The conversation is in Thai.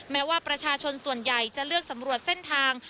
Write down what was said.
แม้ว่าประชาชนส่วนใหญ่จะเลือกสำรวจเส้นทาง